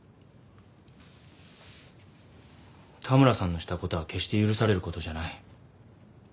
田村さんのしたことは決して許されることじゃない。